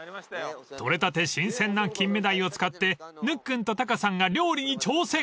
［取れたて新鮮な金目鯛を使ってぬっくんとタカさんが料理に挑戦］